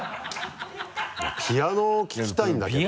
ピアノを聴きたいんだけど。